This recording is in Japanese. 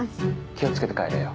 気を付けて帰れよ。